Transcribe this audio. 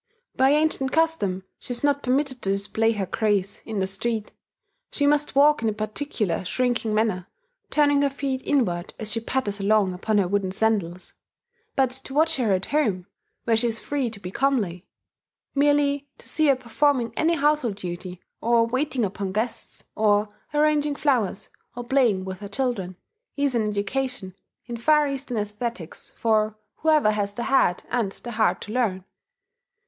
By ancient custom, she is not permitted to display her grace in the street: she must walk in a particular shrinking manner, turning her feet inward as she patters along upon her wooden sandals. But to watch her at home, where she is free to be comely, merely to see her performing any household duty, or waiting upon guests, or arranging flowers, or playing with her children, is an education in Far Eastern aesthetics for whoever has the head and the heart to learn....